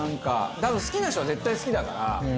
多分好きな人は絶対好きだから。